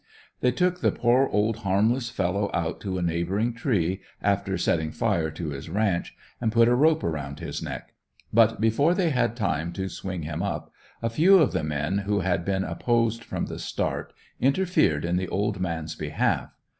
They took the poor old harmless fellow out to a neighboring tree, after setting fire to his ranch, and put a rope around his neck; but before they had time to swing him up, a few of the men, who had been opposed from the start, interfered in the old man's behalf.